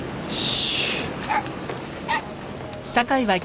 よし！